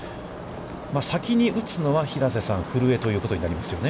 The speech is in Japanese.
先に打つのは平瀬さん、古江ということになりますよね。